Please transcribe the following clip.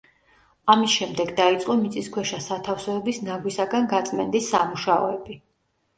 ამის შემდეგ დაიწყო მიწისქვეშა სათავსოების ნაგვისაგან გაწმენდის სამუშაოები.